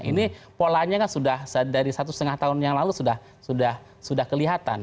ini polanya kan sudah dari satu setengah tahun yang lalu sudah kelihatan